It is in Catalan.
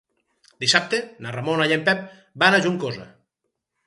Dissabte na Ramona i en Pep vaig a Juncosa.